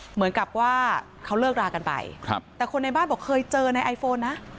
เหมือนกับว่าเขาเลิกรากันไปแต่คนในบ้านบอกเคยเจอในไอโฟนนะ